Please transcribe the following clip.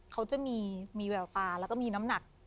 เขาจะมีแววตาแล้วก็มีน้ำหนัก